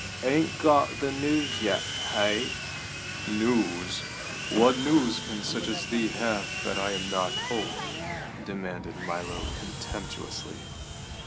"Ain't got the news yet, hey?" "News? What news can such as thee have that I am not told?" demanded Milo contemptuously.